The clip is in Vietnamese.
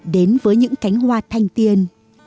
đến với những cánh hoa thanh tiên